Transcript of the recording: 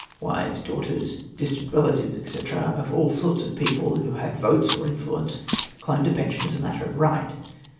Wives, daughters, distant relatives, &c., of all sorts of people who had votes or influence claimed a pension as a matter of right.